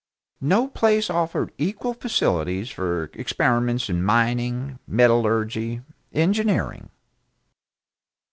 No place offered equal facilities for experiments in mining, metallurgy, engineering.